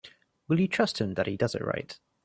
Will you trust him that he does it right?